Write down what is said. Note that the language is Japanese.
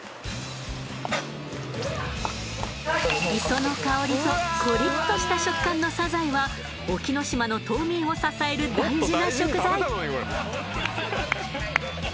磯の香りとコリッとした食感のサザエは隠岐の島の島民を支える大事な食材。